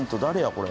これ。